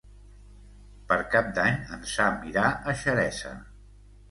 Per Cap d'Any en Sam irà a Xeresa.